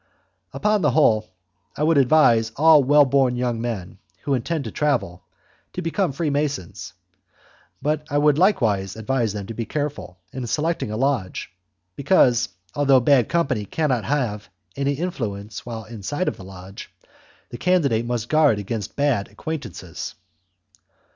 Upon the whole, I would advise all well born young men, who intend to travel, to become Freemasons; but I would likewise advise them to be careful in selecting a lodge, because, although bad company cannot have any influence while inside of the lodge, the candidate must guard against bad acquaintances.